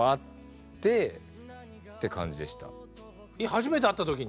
初めて会った時に？